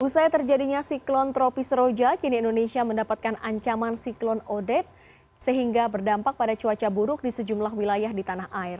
usai terjadinya siklon tropis roja kini indonesia mendapatkan ancaman siklon odet sehingga berdampak pada cuaca buruk di sejumlah wilayah di tanah air